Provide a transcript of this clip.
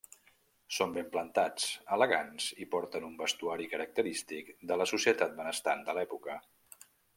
Són ben plantats, elegants i porten un vestuari característic de la societat benestant de l'època.